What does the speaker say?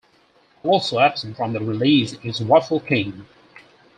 Also absent from the release is Waffle King.